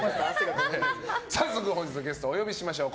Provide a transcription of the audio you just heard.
早速、本日のゲストお呼びしましょう。